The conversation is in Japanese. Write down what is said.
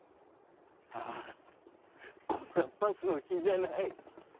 ああこれはバスの比じゃない。